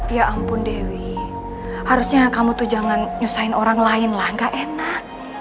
ya ampun dewi harusnya kamu tuh jangan ngesain orang lain lah gak enak